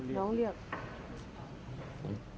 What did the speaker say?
น้องเรียก